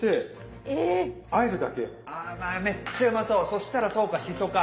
そしたらそうかしそか。